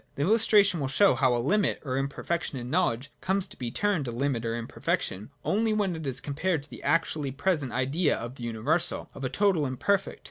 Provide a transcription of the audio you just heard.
This illustration will show how a limit or imperfec tion in knowledge comes to be termed a limit or imper fection, only when it is compared with the actually present Idea of the universal, of a total and perfect.